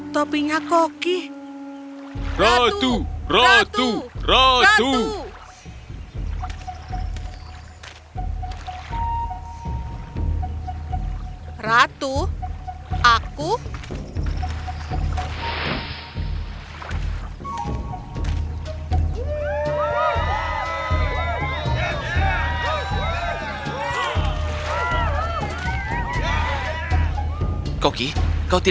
tapi itu bukanlah kota putih